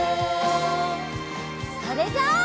それじゃあ。